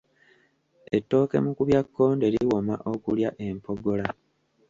Ettooke mukubyakkonde liwooma okulya empogola